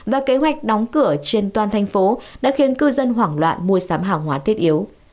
và kế hoạch đóng cửa trên toàn thành phố đã khiến cư dân hoảng loạn mua sắm hàng hóa thiết yếu